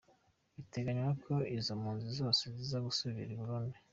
Biteganywa ko izo mpunzi zose ziza gusubira i Burundi.